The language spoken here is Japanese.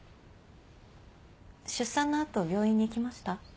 出産の後病院に行きました？